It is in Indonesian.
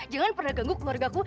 jangan pernah ganggu keluarga aku